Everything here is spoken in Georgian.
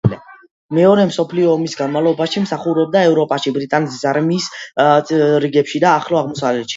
მეორე მსოფლიო ომის განმავლობაში მსახურობდა ევროპაში, ბრიტანეთის არმიის რიგებში და ახლო აღმოსავლეთში.